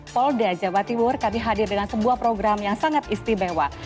polda jawa timur kami hadir dengan sebuah program yang sangat istimewa